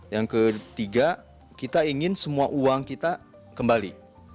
yang ketiga kita ingin semua uang kita kembali